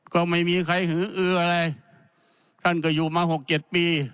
ก็ไม่มีใครหืออืออะไรท่านก็อยู่มาหกเจ็ดปี